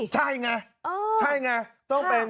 ใช่ไงต้องเป็น